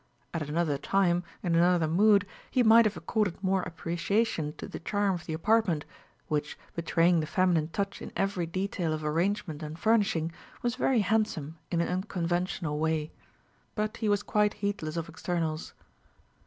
At another time, in another mood, he might have accorded more appreciation to the charm of the apartment, which, betraying the feminine touch in every detail of arrangement and furnishing, was very handsome in an unconventional way. But he was quite heedless of externals.